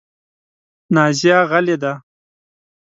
نازیه غلې ده .